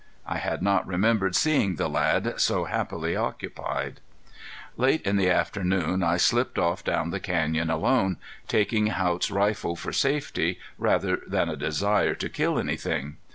I had not remembered seeing the lad so happily occupied. Late in the afternoon I slipped off down the canyon alone, taking Haught's rifle for safety rather than a desire to kill anything.